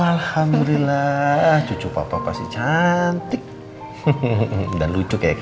assalamualaikum warahmatullahi wabarakatuh